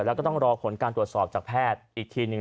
แล้วก็ต้องรอผลการตรวจสอบจากแพทย์อีกทีหนึ่ง